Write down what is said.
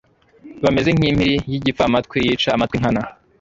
bameze nk’impiri y’igipfamatwi yica amatwi nkana